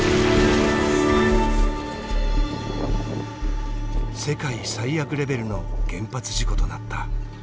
世界最悪レベルの原発事故となった。